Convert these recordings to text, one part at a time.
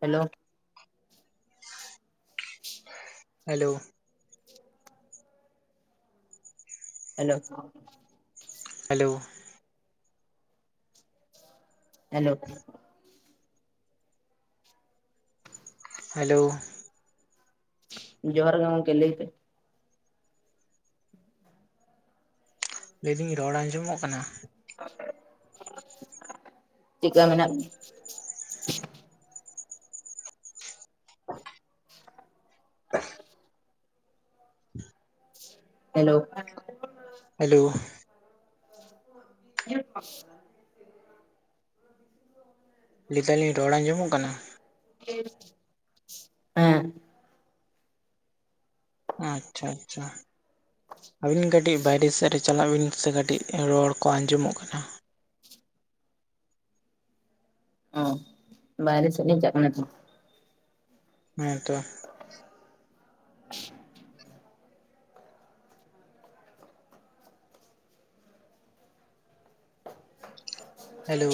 Hello hello ᱦᱮᱞᱟᱹᱜ hello hello hello ᱡᱚᱦᱟᱨ ᱜᱮ ᱜᱚᱝᱠᱮ ᱞᱟᱭ ᱯᱮ ᱞᱟᱹᱭ ᱫᱤᱧ ᱨᱚᱲ ᱟᱸᱡᱚᱢᱚᱜ ᱠᱟᱱᱟ? ᱪᱮᱜ ᱠᱟ ᱢᱮᱱᱟᱜ ᱦᱮᱞᱳ ᱦᱮᱞᱳ [unintelligible] ᱞᱟᱹᱭ ᱫᱟᱞᱤᱧ ᱨᱚᱲ ᱟᱸᱡᱚᱢᱚᱜ ᱠᱟᱱᱟ? ᱦᱮᱸ ᱟᱪᱪᱷᱟ ᱟᱪᱪᱷᱟ ᱟᱹᱵᱤᱱ ᱠᱟᱹᱴᱤᱜ ᱵᱟᱭᱨᱮ ᱥᱮᱫ ᱨᱮ ᱪᱟᱞᱟᱜ ᱵᱤᱱ ᱥᱮ ᱠᱟᱹᱴᱤᱜ, ᱨᱚᱲ ᱠᱚ ᱟᱸᱡᱚᱢᱚᱜ ᱠᱟᱱᱟ, ᱚ ᱵᱟᱭᱨᱮ ᱥᱮᱜ ᱞᱤᱧ ᱪᱟᱜ ᱠᱟᱱᱟ ᱴᱤ ᱦᱩᱸ ᱛᱚ [inaudible] ᱦᱮᱞᱳ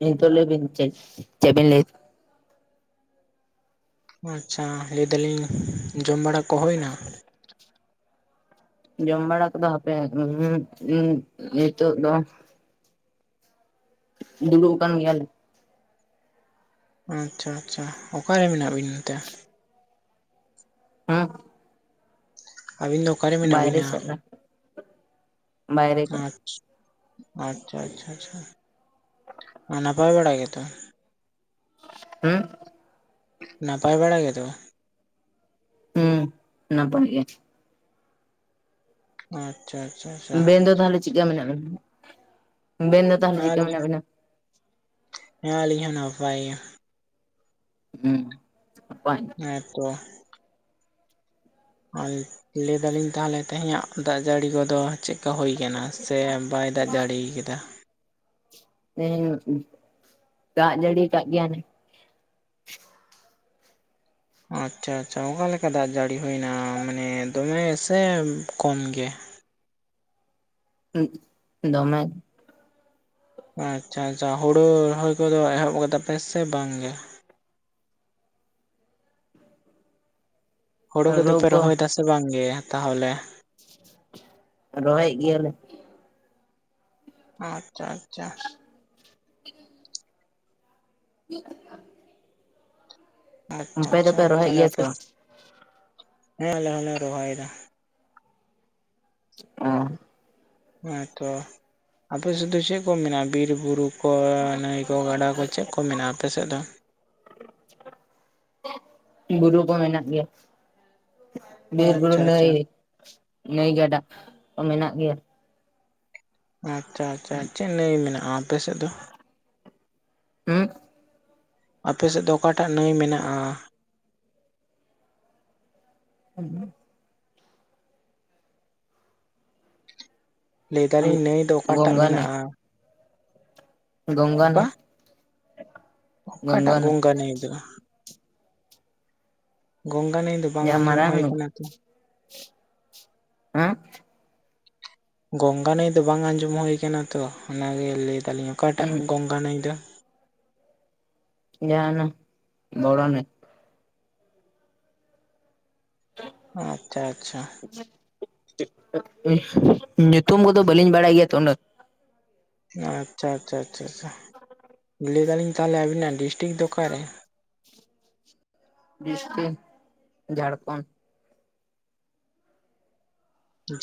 ᱱᱤᱱᱛᱳᱜ ᱞᱟᱹᱭ ᱵᱤᱱ ᱪᱮ ᱪᱮᱜᱵᱤᱱ ᱞᱟᱹᱭ ᱚᱪᱪᱷᱟ ᱞᱟᱹᱭ ᱫᱟᱞᱤᱧ ᱡᱚᱢ ᱵᱟᱲᱟ ᱠᱚ ᱦᱳᱭᱱᱟ? ᱡᱚᱢ ᱵᱟᱲᱟ ᱠᱚᱫᱚ ᱦᱟᱯᱮ ᱱᱤᱛᱳᱜ ᱫᱚ ᱫᱩᱲᱩᱜ ᱟᱠᱟᱱ ᱜᱮᱭᱟᱞᱤᱧ᱾ ᱟᱪᱪᱷᱟ ᱟᱪᱪᱷᱟ ᱚᱠᱟᱨᱮ ᱢᱮᱱᱟᱜ ᱵᱤᱱᱟ ᱛᱮ? ᱦᱩᱸ ᱟᱹᱵᱤᱱ ᱫᱚ ᱚᱠᱟᱨᱮ ᱢᱮᱱᱟᱜ ᱵᱟᱭᱨᱮ ᱵᱤᱱᱟ ᱥᱮᱫ ᱨᱮ ᱵᱟᱭᱨᱮ ᱠᱚ ᱟᱸᱪ ᱟᱪᱪᱷᱟ ᱟᱪᱪᱷᱟ ᱟᱪᱪᱷᱟ ᱱᱟᱯᱟᱭ ᱵᱟᱲᱟ ᱜᱮᱛᱚ? ᱦᱩᱸ ᱱᱟᱯᱟᱭ ᱵᱟᱲᱟ ᱜᱮᱛᱚ? ᱦᱩᱸ ᱱᱟᱯᱟᱭ ᱜᱮ᱾ ᱚ ᱪᱟ ᱪᱷᱟ ᱵᱮᱱ ᱫᱚ ᱛᱟᱦᱞᱮ ᱪᱤᱜ ᱠᱟ ᱢᱮᱱᱟᱜ ᱵᱮᱱᱟ ᱵᱮᱱ ᱫᱚ? ᱛᱟᱦᱚᱞᱮ ᱦᱮ ᱪᱮᱫᱠᱟ ᱟᱞᱤᱧ ᱦᱚᱸ ᱢᱮᱱᱟᱜ ᱵᱮᱱᱟ ᱦᱮᱸ ᱟᱹᱞᱤᱧ ᱦᱚᱸ ᱱᱟᱯᱟᱭ ᱜᱮ᱾ ᱦᱩᱸ ᱦᱮᱸ ᱛᱚ᱾ ᱟᱨ ᱞᱟᱹᱭ ᱫᱟᱞᱤᱧ ᱛᱟᱦᱚᱞᱮ ᱛᱮᱦᱮᱧᱟᱜ ᱫᱟᱜ ᱡᱟᱹᱲᱤ ᱠᱚᱫᱚ ᱪᱮᱫ ᱠᱟ ᱦᱩᱭ ᱠᱟᱱᱟ ᱥᱮ ᱵᱟᱭ ᱫᱟᱜ ᱡᱟᱹᱲᱤᱭ ᱠᱟᱫᱟ? ᱛᱮᱦᱮᱧ ᱫᱟᱜᱡᱟᱹᱲᱤ ᱠᱟᱜ ᱜᱮᱭᱟᱭ ᱱᱤᱛ ᱟᱪᱪᱷᱟ ᱟᱪᱪᱷᱟ᱾ ᱚᱠᱟᱞᱮᱠᱟ ᱫᱟᱜ ᱡᱟᱹᱲᱤ ᱦᱩᱭᱮᱱᱟ ᱢᱟᱱᱮ ᱫᱚᱢᱮ ᱥᱮ ᱠᱚᱢ ᱜᱮ? ᱦᱩᱜ ᱫᱚᱢᱮ᱾ ᱟᱪᱪᱷᱟ ᱟᱪᱪᱷᱟ ᱦᱩᱲᱩ ᱨᱚᱦᱚᱭ ᱠᱚᱫᱚ ᱮᱦᱚᱵ ᱠᱟᱫᱟ ᱯᱮ ᱥᱮ ᱵᱟᱝ ᱜᱮ? ᱦᱳᱲᱳ ᱠᱚᱫᱚ ᱨᱩ ᱯᱮ ᱠᱚ ᱨᱚᱦᱚᱭ ᱫᱟ ᱥᱮ ᱵᱟᱝ ᱜᱮ ᱛᱟᱦᱚᱞᱮ? ᱨᱚᱦᱚᱭᱮᱫ ᱜᱮᱭᱟᱞᱮ᱾ ᱟᱪᱪᱷᱟ ᱟᱪᱪᱷᱟ᱾ [inaudible] ᱟᱪᱪᱷᱟ ᱟᱯᱮ ᱟᱪᱪᱷᱟ ᱫᱚᱯᱮ ᱨᱚᱦᱚᱭᱮᱫ ᱛᱟᱦᱚᱞᱮ ᱜᱮᱭᱟ ᱥᱮ ᱟᱯᱮ ᱵᱟᱝ? ᱦᱮᱸ ᱟᱞᱮ ᱦᱚᱸᱞᱮ ᱨᱚᱦᱚᱭᱮᱫᱟ ᱾ ᱚ᱾ ᱦᱮᱸᱛᱚ᱾ ᱟᱯᱮ ᱥᱮᱫ ᱫᱚ ᱪᱮᱫ ᱠᱚ ᱢᱮᱱᱟᱜ-ᱟ ᱵᱤᱨ ᱵᱩᱨᱩ? ᱠᱚ ᱱᱟᱹᱭ ᱠᱚ, ᱜᱟᱰᱟ ᱠᱚ ᱪᱮᱫ ᱠᱚ ᱢᱮᱱᱟᱜ-ᱟ ᱟᱯᱮ ᱥᱮᱫ ᱫᱚ? ᱵᱩᱨᱩ ᱠᱚ ᱢᱮᱱᱟᱜ ᱜᱮᱭᱟ᱾ ᱵᱤᱨ-ᱵᱩᱨᱩ ᱟᱪᱪᱷᱟ ᱟᱪᱪᱷᱟ ᱱᱟᱹᱭ, ᱱᱟᱹᱭ ᱜᱟᱰᱟ ᱠᱚ ᱢᱮᱱᱟᱜ ᱜᱮᱭᱟ᱾ ᱟᱪᱪᱷᱟ ᱟᱪᱪᱷᱟ ᱟᱪᱶᱷᱟ᱾ ᱪᱮᱫ ᱱᱟᱹᱭ ᱢᱮᱱᱟᱜᱼᱟ ᱟᱯᱮ ᱥᱮᱫ ᱫᱚ? ᱦᱩᱸ? ᱟᱯᱮ ᱥᱮᱫ ᱫᱚ ᱚᱠᱟᱴᱟᱜ ᱱᱟᱹᱭ ᱢᱮᱱᱟᱜ-ᱟ? [inaudible] ᱞᱟᱹᱭ ᱫᱟᱞᱤᱧ ᱱᱟᱹᱭ ᱫᱚ ᱚᱠᱟᱴᱟᱜ ᱜᱚᱝᱜᱟ ᱢᱮᱱᱟᱜ-ᱟ? ᱵᱚᱝᱜᱟ ᱱᱟᱹᱭ᱾ ᱚᱠᱟᱴᱟᱜ ᱜᱚᱝᱜᱟ ᱱᱟᱹᱭ ᱫᱚ? ᱜᱚᱝᱜᱟ ᱱᱟᱹᱭ ᱫᱚ ᱵᱟᱝ ᱟᱸᱡᱚᱢ ᱦᱩᱭ ᱟᱠᱟᱱᱟ ᱛᱚ᱾ ᱦᱮᱸ? ᱜᱚᱝᱜᱟ ᱱᱟᱹᱭ ᱫᱚ ᱵᱟᱝ ᱟᱸᱡᱚᱢ ᱦᱩᱭᱩ ᱠᱟᱱᱟ ᱛᱚ, ᱚᱱᱟ ᱜᱮ ᱞᱟᱹᱭ ᱫᱟᱹᱞᱤᱧ ᱚᱠᱟᱴᱟᱜ ᱦᱮᱸ ᱜᱚᱝᱜᱟ ᱱᱟᱹᱭ ᱫᱚ? ᱡᱟᱦᱟᱸᱱᱟᱜ ᱵᱚᱲᱚ ᱱᱟᱹᱭ᱾ ᱚ ᱟᱪᱪᱷᱟ ᱟᱪᱪᱷᱟ᱾ ᱧᱩᱛᱩᱢ ᱠᱚᱫᱚ ᱵᱟᱹᱞᱤᱧ ᱵᱟᱲᱟᱭ ᱜᱮᱭᱟ ᱛᱚ ᱩᱱᱟᱹᱜ᱾ ᱟᱪᱪᱷᱟ ᱟᱪᱪᱷᱟ ᱟᱪᱪᱷᱟ ᱟᱪᱪᱷᱟ᱾ ᱞᱟᱹᱭ ᱫᱟᱹᱞᱤᱧ ᱛᱟᱦᱚᱞᱮ ᱟᱵᱤᱱᱟᱜ ᱰᱤᱥᱴᱤᱠ ᱫᱚ ᱚᱠᱟᱨᱮ? ᱰᱤᱥᱴᱤᱠ ᱡᱷᱟᱲᱠᱷᱚᱱᱰ᱾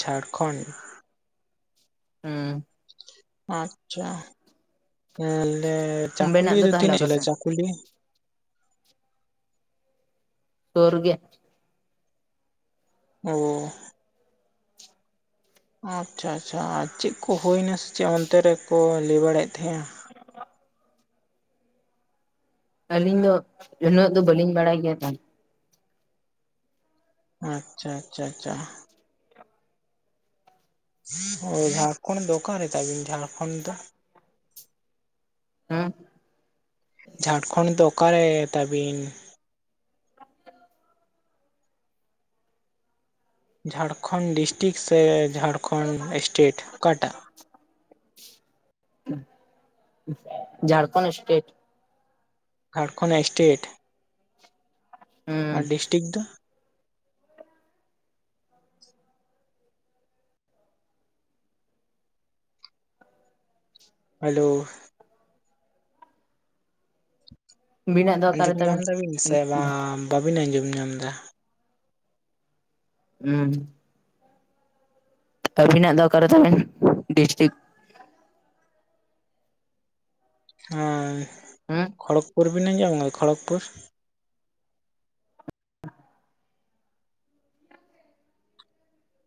ᱡᱷᱟᱲᱠᱷᱚᱱᱰ? ᱦᱩᱸ᱾ ᱟᱪᱪᱷᱟ, ᱦᱮ ᱞᱮ ᱚᱸᱰᱮᱱᱟᱜ ᱪᱟᱠᱩᱞᱤᱭᱟ ᱫᱚ ᱛᱟᱦᱚᱞᱮ ᱛᱤᱱᱟᱹᱜ ᱡᱷᱟᱹᱞ ᱚᱠᱟᱥᱮᱫ ᱪᱟᱠ ᱠᱩᱞᱤᱭᱟ? ᱥᱩᱨ ᱜᱮ ᱾ ᱚ ᱾ ᱟᱪᱪᱷᱟ ᱟᱪᱪᱷᱟ, ᱟᱨ ᱪᱮᱫ ᱠᱚ ᱦᱩᱭᱱᱟ ᱥᱮ ᱪᱮᱫ ᱚᱱᱛᱮ ᱨᱮᱠᱚ ᱞᱟᱹᱭ ᱵᱟᱲᱟᱭᱮᱫ ᱛᱟᱦᱮᱸ-ᱟ? ᱟᱹᱞᱤᱧ ᱫᱚ ᱩᱱᱟᱹᱜ ᱫᱚ ᱵᱟᱹᱞᱤᱧ ᱵᱟᱲᱟᱭ ᱜᱮᱭᱟ ᱛᱟᱦᱮᱸᱱ ᱾ ᱟᱪᱪᱷᱟ ᱟᱪᱪᱷᱟ ᱟᱪᱪᱷᱟ᱾ ᱚ, ᱡᱷᱟᱲᱠᱷᱚᱸᱰ ᱫᱚ ᱚᱠᱟᱨᱮ ᱛᱟᱵᱤᱱ ᱡᱷᱟᱲᱠᱷᱚᱸᱰ ᱫᱚ? ᱦᱩᱸ᱾ ᱡᱷᱟᱲᱠᱷᱚᱸᱰ ᱫᱚ ᱚᱠᱟᱨᱮ ᱛᱟᱵᱤᱱ? ᱡᱷᱟᱲᱠᱷᱚᱸᱰ ᱰᱤᱥᱴᱤᱠ ᱥᱮ ᱡᱷᱟᱲᱠᱷᱚᱸᱰ ᱮᱥᱴᱮᱴ ᱚᱠᱟᱴᱟᱜ? ᱡᱲᱠᱷᱚᱸᱰ ᱮᱥᱴᱮᱴ ᱾ ᱡᱷᱟᱲᱠᱷᱚᱸᱰ ᱮᱥᱴᱮᱴ ᱾ ᱟᱨ ᱦᱩᱸ ᱰᱤᱥᱴᱤᱠ ᱫᱚ? ᱦᱮᱞᱳ ᱾ ᱵᱤᱱᱟᱜ ᱫᱚ ᱚᱠᱟᱨᱮ ᱟᱸᱡᱚᱢ ᱛᱟᱵᱮᱱ? ᱧᱟᱢ ᱫᱟᱵᱤᱱ ᱥᱮ ᱵᱟᱝ ᱵᱟᱹᱵᱤᱱ ᱟᱸᱡᱚᱢ ᱧᱟᱢ ᱫᱟ? ᱦᱩᱸ ᱾ ᱟᱹᱵᱤᱱᱟᱜ ᱫᱚ ᱚᱨᱠᱟᱨᱮ ᱛᱟᱵᱮᱱ ᱰᱤᱥᱴᱤᱠ? ᱦᱮᱸ, ᱦᱩᱸ ᱠᱷᱚᱲᱚᱜᱽᱯᱩᱨ ᱵᱮᱱ ᱟᱸᱡᱚᱢ ᱠᱟᱜ ᱠᱷᱚᱲᱚᱜᱽᱯᱩᱨ ᱾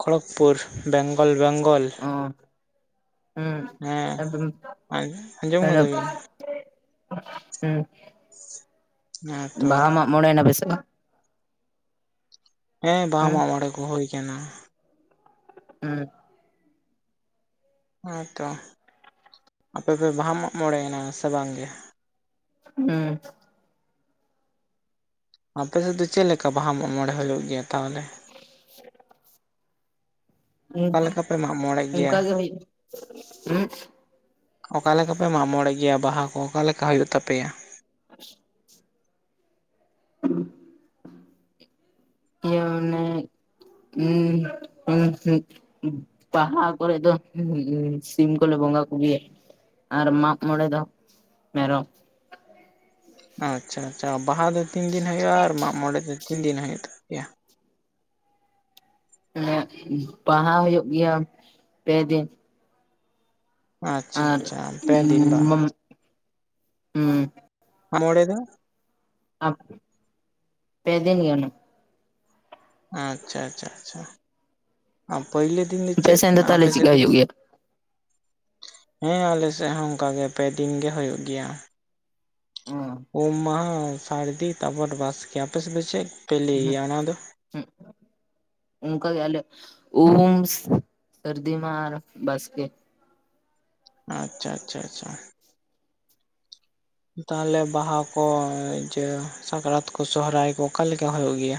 ᱠᱷᱚᱲᱚᱜᱽᱯᱩᱨ, ᱵᱮᱝᱜᱚᱞ ᱵᱮᱝᱜᱚᱞ ᱚ ᱦᱩᱸ ᱾ ᱦᱮᱸ, ᱟᱸᱡᱚᱢ ᱠᱟᱫᱟ ᱵᱤᱱ ᱾ ᱦᱩᱸ, ᱦᱮᱸ ᱛᱚ ᱵᱟᱦᱟ ᱢᱟᱜ ᱢᱚᱬᱮ ᱮᱱᱟ ᱯᱮ ᱥᱮ ᱵᱟᱝ? ᱦᱮᱸ, ᱵᱟᱦᱟ ᱦᱩᱸ ᱢᱟᱜ ᱢᱚᱬᱮ ᱠᱚ ᱦᱩᱭ ᱟᱠᱟᱱᱟ ᱾ ᱦᱩᱸ ᱾ ᱦᱮᱸ, ᱛᱚ ᱟᱯᱮ ᱯᱮ ᱵᱟᱦᱟ ᱢᱟᱜ ᱢᱚᱬᱮᱭᱮᱱᱟ ᱥᱮ ᱵᱟᱝ ᱜᱮ? ᱦᱩᱸ ᱾ ᱟᱯᱮ ᱥᱮᱫ ᱫᱚ ᱪᱮᱫ ᱞᱮᱠᱟ ᱵᱟᱦᱟ ᱢᱚᱬᱮ ᱦᱩᱭᱩᱜ ᱜᱮᱭᱟ ᱛᱟᱦᱚᱞᱮ? ᱦᱩᱸ ᱚᱠᱟᱞᱮᱠᱟ ᱯᱮ ᱢᱟᱜ ᱢᱚᱬᱮᱜ ᱜᱮᱭᱟ? ᱚᱱᱠᱟ ᱜᱮ ᱦᱩᱭᱩᱜ ᱦᱩᱸ ᱚᱠᱟᱞᱮᱠᱟ ᱯᱮ ᱢᱟᱜ ᱢᱚᱬᱮ ᱜᱮᱭᱟ ᱵᱟᱦᱟ ᱠᱚ ᱚᱠᱟ ᱞᱮᱠᱟ ᱦᱩᱭᱩᱜ ᱛᱟᱯᱮᱭᱟ? [inaudible] ᱚᱱᱮ ᱦᱩᱸ ᱦᱩ ᱦᱩ ᱵᱟᱦᱟ ᱠᱚᱨᱮ ᱫᱚ ᱦᱩ ᱥᱤᱢ ᱠᱚᱞᱮ ᱵᱚᱸᱜᱟ ᱠᱚᱜᱮᱭᱟ᱾ ᱟᱨ ᱢᱟᱜ ᱢᱚᱬᱮ ᱫᱚ ᱢᱮᱨᱚᱢ᱾ ᱟᱪᱪᱷᱟ ᱟᱪᱪᱷᱟ ᱵᱟᱦᱟ ᱫᱚ ᱛᱤᱱ ᱫᱤᱱ ᱦᱩᱭᱩᱜᱼᱟ ᱟᱨ ᱢᱟᱜ ᱢᱚᱬᱮ ᱫᱚ ᱛᱤᱱ ᱫᱤᱱ ᱦᱩᱭᱩᱜ ᱛᱟᱯᱮᱭᱟ? ᱵᱟᱦᱟ ᱦᱩᱭᱩᱜ ᱜᱮᱭᱟ ᱯᱮ ᱫᱤᱱ᱾ ᱟᱪᱪᱷᱟ ᱟᱨ ᱟᱪᱪᱷᱟ ᱯᱮ ᱫᱤᱱ ᱵᱟᱼᱼ ᱦᱩᱸ᱾ ᱢᱟᱜ ᱢᱚᱲᱮ ᱫᱚᱼᱼ ᱯᱮ ᱫᱤᱱ ᱜᱮ ᱚᱱᱟᱼᱼ ᱟᱪᱪᱷᱟ ᱟᱪᱪᱷᱟ ᱟᱪᱪᱷᱟ᱾ ᱟᱨ ᱯᱚᱭᱞᱟᱼᱼ ᱟᱯᱮᱥᱮᱱ ᱫᱚ ᱛᱟᱦᱚᱞᱮ ᱪᱮᱠᱟ ᱦᱩᱭᱩᱜ ᱜᱮᱭᱟ? ᱦᱮᱸ ᱟᱞᱮ ᱥᱮᱫ ᱦᱚᱸ ᱚᱱᱠᱟᱜᱮ ᱯᱮ ᱫᱤᱱ ᱜᱮ ᱦᱩᱭᱩᱜ ᱜᱮᱭᱟ᱾ ᱩᱢ ᱢᱟᱦ ᱥᱟᱹᱨᱫᱤ ᱛᱟᱯᱚᱨ ᱵᱟᱥᱠᱮ ᱟᱯᱮᱥᱮᱫ ᱫᱚ ᱪᱮᱫ? ᱯᱮ ᱦᱮᱸ ᱞᱟᱹᱭᱟ ᱚᱱᱟ ᱫᱚ ᱦᱮᱸ᱾ ᱚᱱᱠᱟ ᱜᱮ ᱟᱞᱮ ᱩᱢ ᱥᱟᱹᱨᱫᱤ ᱢᱟᱦᱟ ᱟᱨ ᱵᱟᱥᱠᱮ᱾ ᱟᱪᱪᱷᱟ ᱟᱪᱪᱷᱟ ᱟᱪᱪᱷᱟ᱾ ᱛᱟᱦᱚᱞᱮ ᱵᱟᱦᱟ ᱠᱚ ᱤᱭᱟᱹ ᱥᱟᱠᱨᱟᱹᱛ ᱠᱚ ᱥᱚᱦᱨᱟᱹᱭ ᱠᱚ ᱚᱠᱟᱞᱮᱠᱟ ᱦᱩᱭᱩᱜ ᱜᱮᱭᱟ?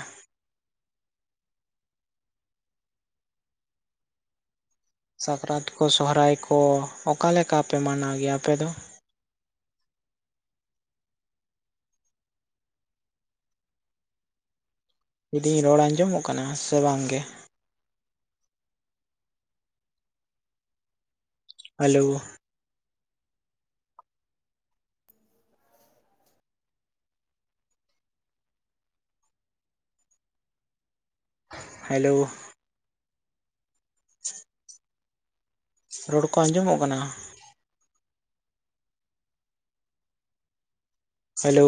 ᱥᱟᱠᱨᱟᱛ ᱠᱚ ᱥᱚᱦᱨᱟᱹᱭ ᱠᱚ ᱚᱠᱟᱮᱠᱟ ᱯᱮ ᱢᱟᱱᱟᱣ ᱜᱮᱭᱟ ᱟᱯᱮ ᱫᱚ? ᱞᱟᱹᱭᱫᱤᱧ ᱨᱚᱲ ᱟᱸᱡᱚᱢᱚᱜ ᱠᱟᱱᱟ ᱥᱮ ᱵᱟᱝ ᱜᱮ? Hello hello. ᱨᱚᱲ ᱠᱚ ᱟᱸᱡᱚᱢᱚᱜ ᱠᱟᱱᱟ᱾ ᱦᱮᱞᱳ᱾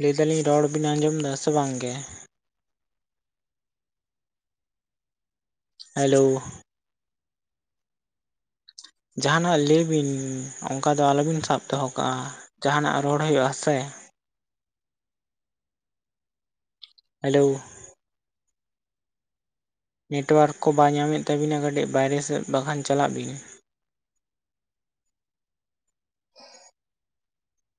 ᱞᱟᱹᱭ ᱫᱟᱞᱤᱧ ᱨᱚᱲ ᱵᱤᱱ ᱟᱸᱡᱚᱢ ᱮᱫᱟ ᱥᱮ ᱵᱟᱝᱜᱮ? ᱦᱮᱞᱳᱣ᱾ ᱡᱟᱦᱟᱱᱟᱜ ᱞᱟᱹᱭ ᱵᱤᱱ ᱚᱱᱠᱟ ᱫᱚ ᱟᱞᱚᱵᱤᱱ ᱥᱟᱵ ᱫᱚᱦᱚ ᱠᱟᱜ-ᱟ᱾ ᱡᱟᱦᱟᱱᱟᱜ ᱨᱚᱲ ᱦᱩᱭᱩᱜᱼᱟ ᱟᱥᱮ, ᱦᱮᱞᱳᱣ᱾ ᱱᱮᱴᱚᱣᱟᱨᱠ ᱠᱚ ᱵᱟᱭ ᱧᱟᱢᱮᱫ ᱛᱟᱹᱵᱤᱱᱟ ᱠᱟᱹᱴᱤᱡ ᱵᱟᱭᱨᱮ ᱥᱮᱫ ᱵᱟᱠᱷᱟᱱ ᱪᱟᱞᱟᱜ ᱵᱤᱱ᱾